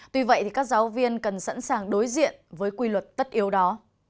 tuy vậy thì các giáo viên cần sẵn sàng đối diện với quy luật tất yếu đó